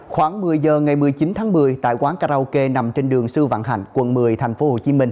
khoảng một mươi giờ ngày một mươi chín tháng một mươi tại quán karaoke nằm trên đường sư vạn hạnh quận một mươi tp hcm